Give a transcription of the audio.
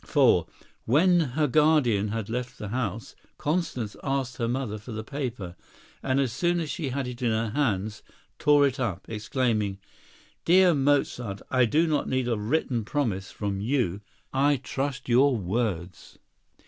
For, when her guardian had left the house, Constance asked her mother for the paper, and as soon as she had it in her hands, tore it up, exclaiming: "Dear Mozart, I do not need a written promise from you. I trust your words."